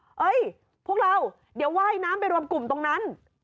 เฮ้ยพวกเราเดี๋ยวว่ายน้ำไปรวมกลุ่มตรงนั้น